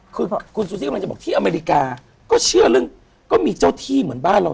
คือคุณซูซี่กำลังจะบอกที่อเมริกาก็เชื่อเรื่องก็มีเจ้าที่เหมือนบ้านเรา